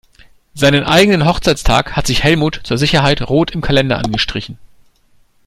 Seinen eigenen Hochzeitstag hat sich Helmut zur Sicherheit rot im Kalender angestrichen.